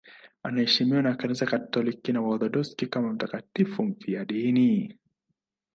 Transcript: Anaheshimiwa na Kanisa Katoliki na Waorthodoksi kama mtakatifu mfiadini.